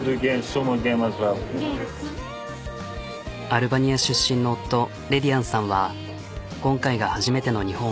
アルバニア出身の夫レディアンさんは今回が初めての日本。